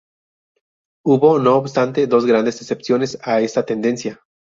Hubo, no obstante, dos grandes excepciones a esta tendencia.